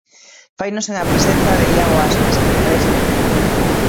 Faino sen a presenza de Iago Aspas e de Brais Méndez.